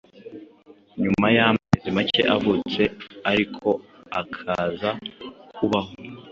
nyuma y’amezi make avutse, ariko akaza kubaho.